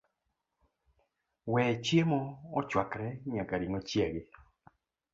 we chiemo ochwakre nyaka ring'o chiegi